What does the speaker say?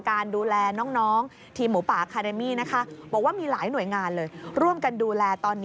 ก็อันนุมจากวันแรกเลยค่ะ